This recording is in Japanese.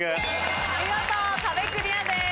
見事壁クリアです。